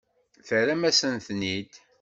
Terram-asen-ten-id?